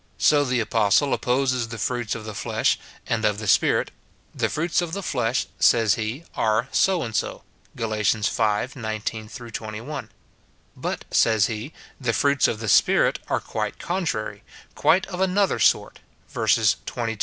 So the apostle opposes the fruits of the flesh and of the Spirit :" The fruits of the flesh," says he, are so and so. Gal. v. 19 21 ; but, says he, the fruits of the Spirit are quite contrary, quite of another sort, verses 22, 23.